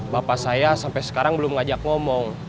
bapak saya sampai sekarang belum ngajak ngomong